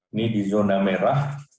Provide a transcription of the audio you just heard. ini di zona merah